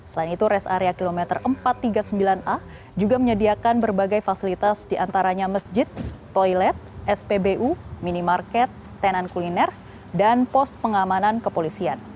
selain itu res area kilometer empat ratus tiga puluh sembilan a juga menyediakan berbagai fasilitas diantaranya masjid toilet spbu minimarket tenan kuliner dan pos pengamanan kepolisian